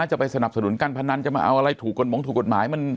จะไปสนับสนุนการพนันจะมาเอาอะไรถูกกฎหมายถูกกฎหมาย